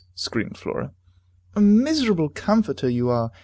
screamed Flora. "A miserable comforter you are!